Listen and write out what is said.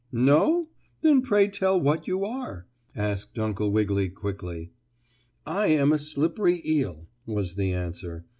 "No? Then pray tell what you are?" asked Uncle Wiggily quickly. "I am a slippery eel," was the answer.